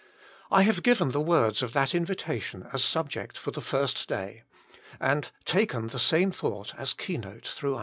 I have given the words of that invitation as subject for the first day, and taken the same thought as keynote all through.